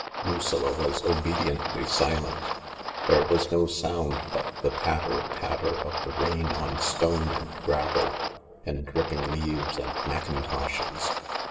Lucilla was obediently silent. There was no sound but the patter patter of the rain on stone and gravel and dripping leaves and mackintoshes.